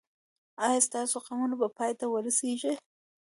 ایا ستاسو غمونه به پای ته ورسیږي؟